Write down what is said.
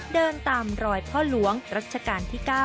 เดินตามรอยพ่อหลวงรัชกาลที่๙